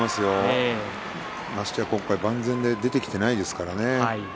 ましてや今回万全で登場しているわけではないですからね。